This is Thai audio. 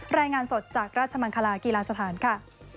รายงานสดจากราชมังคลากีฬาสถานค่ะ